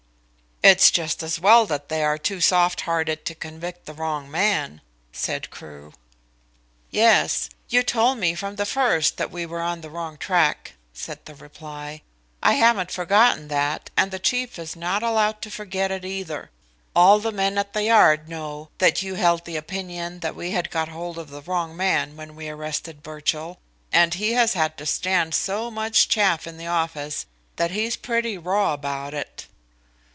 "It's just as well that they are too soft hearted to convict the wrong man," said Crewe. "Yes; you told me from the first that we were on the wrong track," was the reply. "I haven't forgotten that and the chief is not allowed to forget it, either. All the men at the Yard know that you held the opinion that we had got hold of the wrong man when we arrested Birchill, and he has had to stand so much chaff in the office, that he's pretty raw about it."